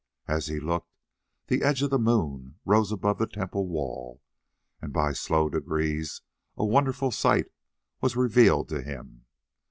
As he looked, the edge of the moon rose above the temple wall, and by slow degrees a wonderful sight was revealed to him.